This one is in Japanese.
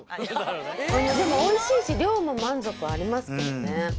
おいしいし量も満足ありますけどね。